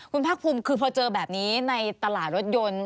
คุณภาคภูมิคือพอเจอแบบนี้ในตลาดรถยนต์